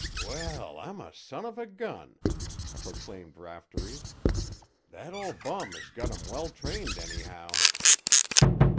"Well, I'm a son of a gun!" proclaimed Raftery. "That ol' bum has got 'em well trained, anyhow."